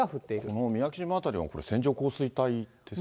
この三宅島辺りは線状降水帯ですかね。